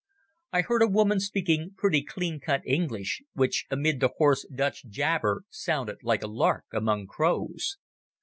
I heard a woman speaking pretty clean cut English, which amid the hoarse Dutch jabber sounded like a lark among crows.